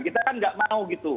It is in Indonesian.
kita kan nggak mau gitu